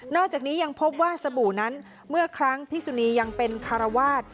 อกจากนี้ยังพบว่าสบู่นั้นเมื่อครั้งพิสุนียังเป็นคารวาส